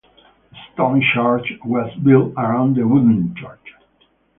The stone church was built around the wooden church.